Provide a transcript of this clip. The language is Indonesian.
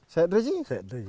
sekedar rp seratus